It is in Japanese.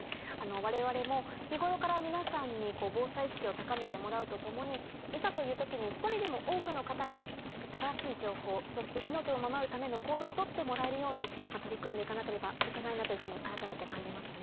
われわれも日頃から皆さんに防災意識を高めてもらうとともにいざという時に１人でも多くの方に正しい情報そして命を守るための行動を取ってもらえるように取り組んでいかなければいけないなというふうに改めて感じますね。